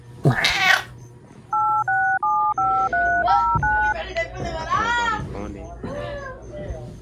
পানীয়ের উৎসের উপর নির্ভর করে এর গুণগত মান, স্বাদ এবং অ্যালকোহলের ঘনত্ব পরিবর্তিত হয়।